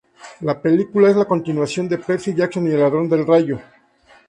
La película es la continuación de "Percy Jackson y el ladrón del rayo".